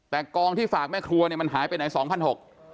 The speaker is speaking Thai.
แต่กองที่ฝากแม่ครัวเนี่ยมันหายไปไหนสองพันหก